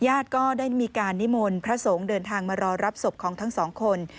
ญาติก็ได้มีการนิมนต์พระสงฆ์เดินทางมารอรับศพของทั้งสองคน